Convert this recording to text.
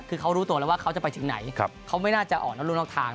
คือเขารู้ตัวแล้วว่าเขาจะไปถึงไหนเขาไม่น่าจะออกนอกรูนอกทาง